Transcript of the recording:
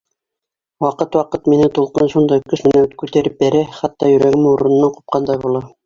Ваҡыт-ваҡыт мине тулҡын шундай көс менән күтәреп бәрә, хатта йөрәгем урынынан ҡупҡандай була.